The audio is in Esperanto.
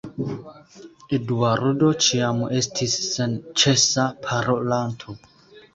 Eduardo ĉiam estis senĉesa parolanto.